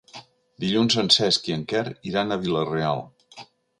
Dilluns en Cesc i en Quer iran a Vila-real.